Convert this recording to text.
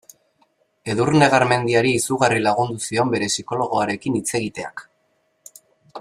Edurne Garmendiari izugarri lagundu zion bere psikologoarekin hitz egiteak.